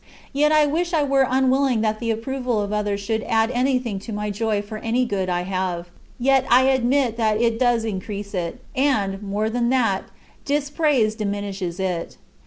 Yet I wish I were unwilling that the approval of others should add anything to my joy for any good I have. Yet I admit that it does increase it; and, more than that, dispraise diminishes it.